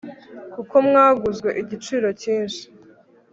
kuko mwaguzwe igiciro cyinshi